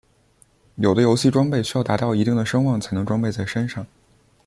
有的游戏装备需要达到一定的声望才能装备在身上。